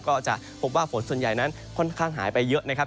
ก็จะพบว่าฝนส่วนใหญ่นั้นค่อนข้างหายไปเยอะนะครับ